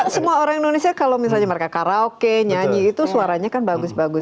semua orang indonesia kalau misalnya mereka karaoke nyanyi itu suaranya kan bagus bagus